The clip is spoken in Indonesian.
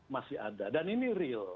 masih ada dan ini real